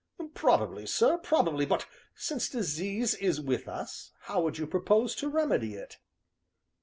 "Probably, sir, probably, but since disease is with us, how would you propose to remedy it?"